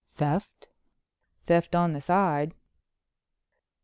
"Theft?" "Theft on the side."